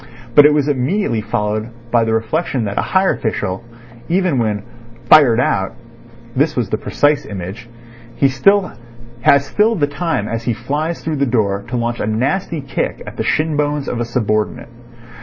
But it was immediately followed by the reflection that a higher official, even when "fired out" (this was the precise image), has still the time as he flies through the door to launch a nasty kick at the shin bones of a subordinate.